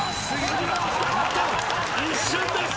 一瞬です！